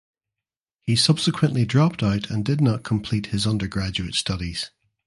He subsequently dropped out and did not complete his undergraduate studies.